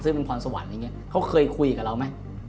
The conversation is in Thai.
ซึ่งเป็นพรสวรรค์อย่างนี้เขาเคยคุยกับเราไหม